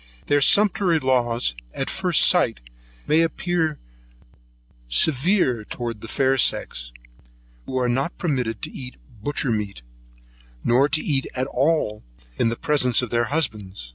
Their sumptuary laws, at first sight, may appear severe towards the fair sex, who are not permitted to eat butchermeat, nor to eat at all, in the presence of their husbands.